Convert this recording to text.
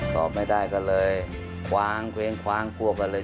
สอบไม่ได้ก็เลยคว้างเครียงคว้างพวกกันเลย